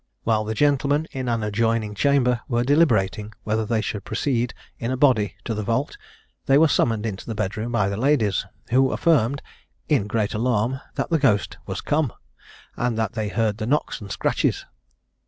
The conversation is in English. While the gentlemen, in an adjoining chamber, were deliberating whether they should proceed in a body to the vault, they were summoned into the bedroom by the ladies, who affirmed, in great alarm, that the ghost was come, and that they heard the knocks and scratches.